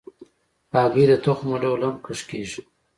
هګۍ د تخم په ډول هم کښت کېږي.